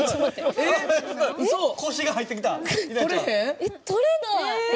えっ取れない！え！？